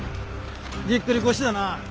ぎっくり腰だな。